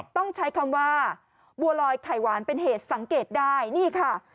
ต้องใช้คำว่าบัวลอยไข่หวานเป็นเหตุสังเกตได้นี่ค่ะ